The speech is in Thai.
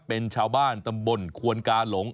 เป็นชาวบ้านตำบลควนกาหลง